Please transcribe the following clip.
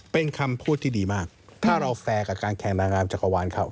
เป็นคำพูดที่ดีมากถ้าเราแฟร์กับการแข่งนางงามจักรวาลเขา